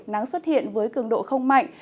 nắng xuất hiện với cường độ không mạnh